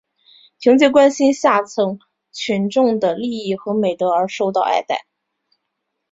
凭借关心下层群众的利益和美德而受到爱戴。